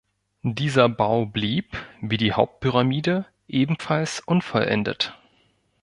Dieser Bau blieb, wie die Hauptpyramide, ebenfalls unvollendet.